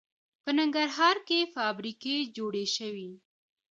په ننګرهار کې فابریکې جوړې شوي